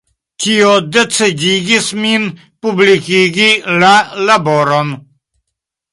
Tio decidigis min publikigi la laboron.